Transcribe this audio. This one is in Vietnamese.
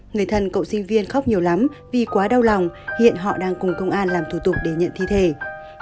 người thân cậu sinh viên khóc nhiều lắm vì quá đau lòng hiện họ đang cùng công an làm thủ tục để nhận thi thể